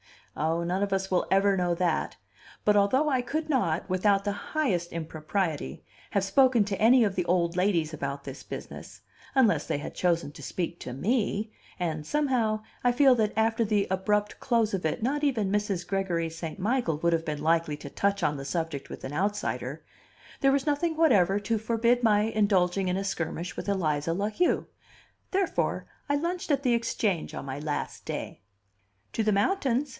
Ah, none of us will ever know that! But, although I could not, without the highest impropriety, have spoken to any of the old ladies about this business, unless they had chosen to speak to me and somehow I feel that after the abrupt close of it not even Mrs. Gregory St. Michael would have been likely to touch on the subject with an outsider there was nothing whatever to forbid my indulging in a skirmish with Eliza La Heu; therefore I lunched at the Exchange on my last day. "To the mountains?"